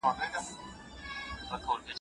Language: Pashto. چې په خندا مو «شین» سالو کې پټ کړي